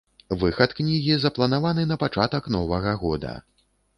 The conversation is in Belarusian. Выхад кнігі запланаваны на пачатак новага года.